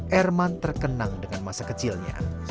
herman terkenang dengan masa kecilnya